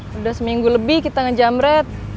sudah seminggu lebih kita ngejamret